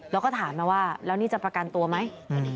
แล้วก็ถามมาว่าแล้วนี่จะประกันตัวไหม